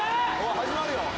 ・始まるよ。